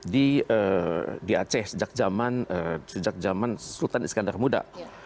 di aceh sejak zaman sultan iskandar muda